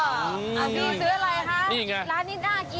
เอาดูซื้ออะไรคะร้านนี้น่ากิน